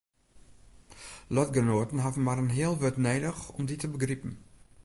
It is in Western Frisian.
Lotgenoaten hawwe mar in heal wurd nedich om dy te begripen.